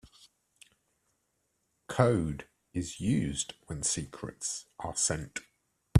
Code is used when secrets are sent.